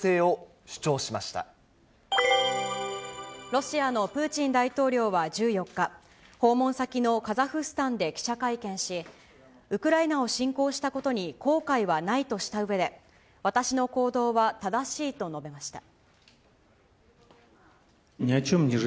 ロシアのプーチン大統領は１４日、訪問先のカザフスタンで記者会見し、ウクライナを侵攻したことに後悔はないとしたうえで、私の行動は正しいと述べました。